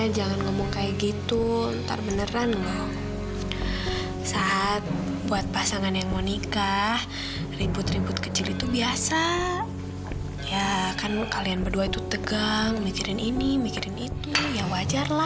jangan ngomong kayak gitu bentar beneran ga